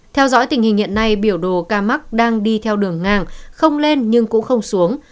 theo dõi tình hình hiện nay biểu đồ ca mắc đang đi theo đường ngang không lên nhưng cũng không xuống